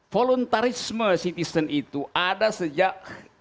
voluntarisme citizen itu ada sejak seribu sembilan ratus sembilan puluh delapan